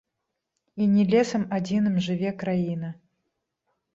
І не лесам адзіным жыве краіна.